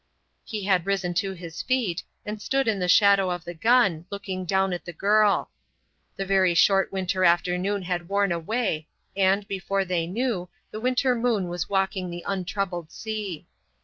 He had risen to his feet, and stood in the shadow of the gun, looking down at the girl. The very short winter afternoon had worn away, and, before they knew, the winter moon was walking the untroubled sea.